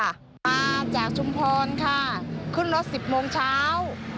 มาจากชุมพรค่ะขึ้นรถสิบโมงเช้า